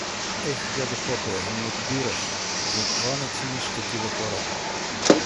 — Ех, дядо попе, не отбираш… затова не цениш такива хора.